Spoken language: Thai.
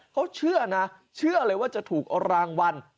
เขาเชื่อนะเชื่อเลยว่าจะถูกรางวัล